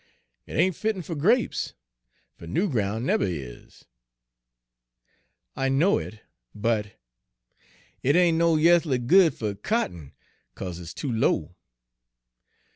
"It ain' fittin' fer grapes, fer noo groun' nebber is." "I know it, but" "It ain' no yeathly good fer cotton, 'ca'se it's too low."